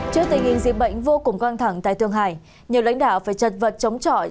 trước tình hình dịch bệnh vô cùng căng thẳng tại thượng hải nhiều lãnh đạo phải chật vật chống trọi